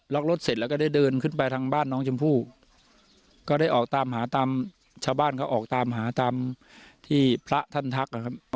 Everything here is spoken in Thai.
รถเสร็จแล้วก็ได้เดินขึ้นไปทางบ้านน้องชมพู่ก็ได้ออกตามหาตามชาวบ้านเขาออกตามหาตามที่พระท่านทักนะครับ